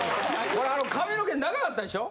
これあの髪の毛長かったでしょ？